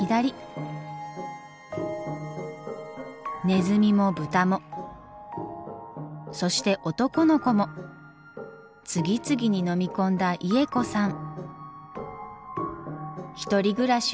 ネズミもブタもそして男の子も次々に飲み込んだイエコさん。